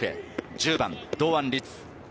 １０番・堂安律。